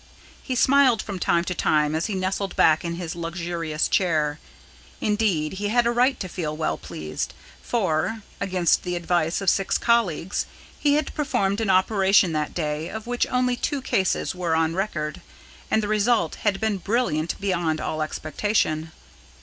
He smiled from time to time as he nestled back in his luxurious chair. Indeed, he had a right to feel well pleased, for, against the advice of six colleagues, he had performed an operation that day of which only two cases were on record, and the result had been brilliant beyond all expectation.